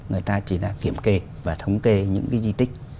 người ta chỉ là kiểm kê và thống kê những di tích